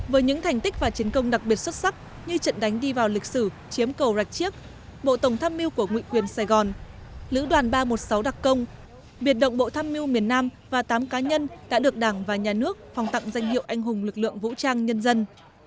với những thành tích và chiến công đặc biệt xuất sắc như trận đánh đi vào lịch sử chiếm cầu rạch chiếc bộ tổng tham mưu của nguyện quyền sài gòn lữ đoàn ba trăm một mươi sáu đặc công biệt động bộ tham mưu miền nam và tám cá nhân đã được đảng và nhà nước phòng tặng danh hiệu anh hùng lực lượng vũ trang nhân dân